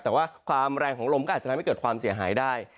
แต่ว่าความแรงของลมก็อาจจะทำให้เกิดความเสียหายได้